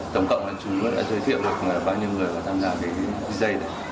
tổng cộng chúng đã giới thiệu được bao nhiêu người vào tham gia đến giây này